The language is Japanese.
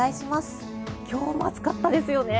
今日も暑かったですよね。